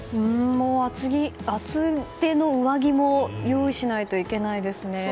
もう厚手の上着も用意しないといけないですね。